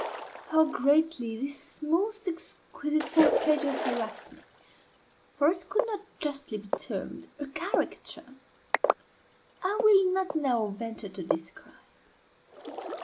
_ How greatly this most exquisite portraiture harassed me (for it could not justly be termed a caricature) I will not now venture to describe.